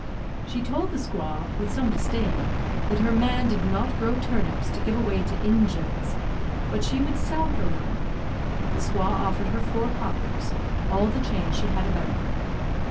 She told the squaw, with some disdain, that her man did not grow turnips to give away to "Injuns," but she would sell her one. The squaw offered her four coppers, all the change she had about her.